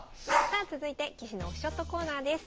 さあ続いて棋士のオフショットコーナーです。